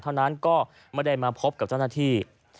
เท่านั้นก็ไม่ได้มาพบกับเจ้าหน้าที่